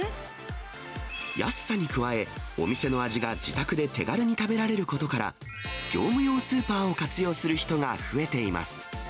安さに加え、お店の味が自宅で手軽に食べられることから、業務用スーパーを活用する人が増えています。